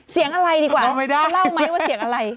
เสียงอะไรดีกว่าเขาเล่าไหมว่าเสียงอะไร